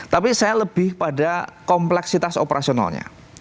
tapi saya lebih pada kompleksitas operasionalnya